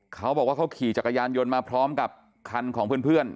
เขาบอกว่าเขาขี่จักรยานยนต์มาพร้อมกับคันของเพื่อน